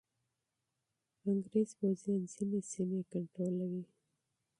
انګریز پوځیان ځینې سیمې کنټرولوي.